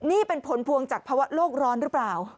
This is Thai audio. นี่เป็นผลพวงจากภาวะโลกร้อนหรือเปล่า